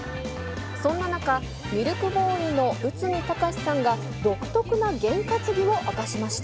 そんな中、ミルクボーイの内海崇さんが独特な験担ぎを明かしました。